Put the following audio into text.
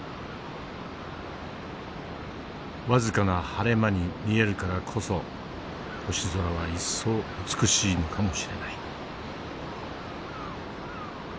僅かな晴れ間に見えるからこそ星空は一層美しいのかもしれない。